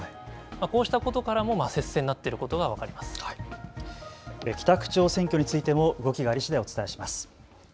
こうしたことからも接戦になって北区長選挙についても、動きがありしだい、お伝えします。